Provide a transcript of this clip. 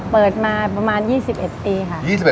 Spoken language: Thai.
เปิดมาประมาณ๒๑ปีค่ะ